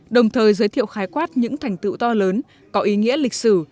đồng thời giới thiệu khái quát những thành tựu to lớn có ý nghĩa lịch sử